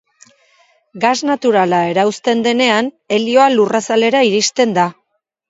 Gas naturala erauzten denean helioa lurrazalera iristen da.